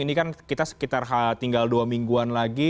ini kan kita sekitar tinggal dua mingguan lagi